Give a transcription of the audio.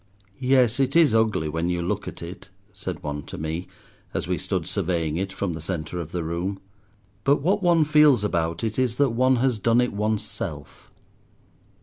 "Yes, it is ugly when you look at it," said one to me, as we stood surveying it from the centre of the room. "But what one feels about it is that one has done it oneself."